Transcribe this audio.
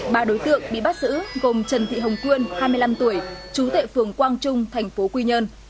ba đối tượng bị bắt giữ gồm trần thị hồng quyên hai mươi năm tuổi trú tại phường quang trung thành phố quy nhơn